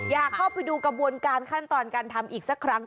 อยากเข้าไปดูกระบวนการขั้นตอนการทำอีกสักครั้ง